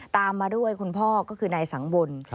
ตามมาด้วยคุณพ่อก็คือนายสังบล